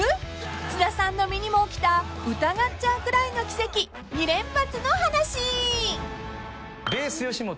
［津田さんの身にも起きた疑っちゃうくらいの奇跡２連発の話］